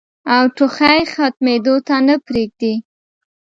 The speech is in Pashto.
او ټوخی ختمېدو ته نۀ پرېږدي